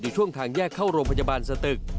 ช่วงทางแยกเข้าโรงพยาบาลสตึก